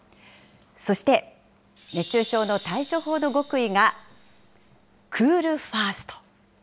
そして、熱中症の対処法の極意が、クール・ファースト。